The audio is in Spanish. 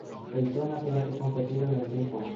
Daytona deja de competir en el ping-pong.